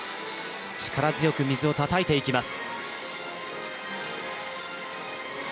力強く水をたたいていきます。